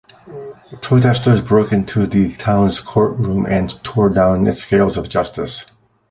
Protesters broke into the town's court room and tore down its scales of justice.